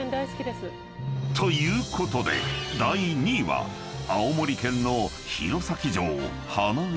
［ということで第２位は青森県の弘前城花筏］